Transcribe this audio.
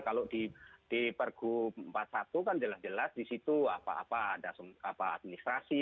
kalau di pergub empat puluh satu kan jelas jelas di situ ada administrasi